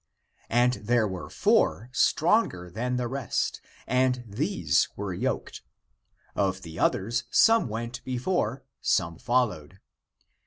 But there were four stronger than the rest, and these were yoked. Of the others, some went before, some followed.